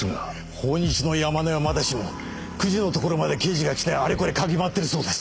豊日の山根はまだしも久慈のところまで刑事が来てあれこれ嗅ぎ回ってるそうです。